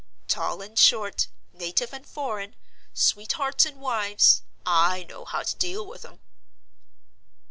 "Tall and short, native and foreign, sweethearts and wives—I know how to deal with 'em!"